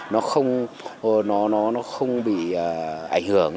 nó không bị ảnh hưởng